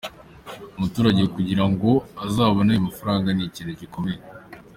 Umuturage kugira ngo azabone ayo mafaranga ni ikintu gikomeye.